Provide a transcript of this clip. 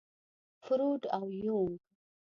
فروډ او يونګ.